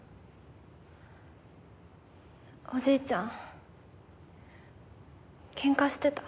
おじいちゃんケンカしてた。